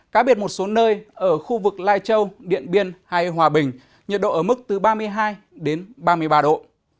cá biệt một số nơi ở khu vực lai châu điện biên hay hòa bình nhiệt độ ở mức từ ba mươi hai đến ba mươi ba độ